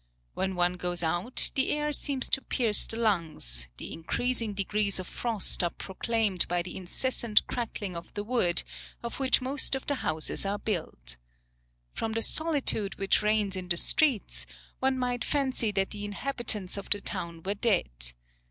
When one goes out, the air seems to pierce the lungs, the increasing degrees of frost are proclaimed by the incessant crackling of the wood, of which most of the houses are built. From the solitude which reigns in the streets, one might fancy that the inhabitants of the town were dead.